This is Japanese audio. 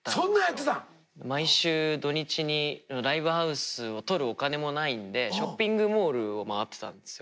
毎週土日にライブハウスをとるお金もないんでショッピングモールを回ってたんですよ。